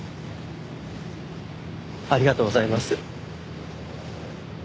ありがとうございます。